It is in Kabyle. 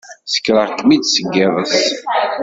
Ssekreɣ-kem-id seg yiḍes?